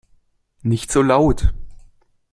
Nicht so laut!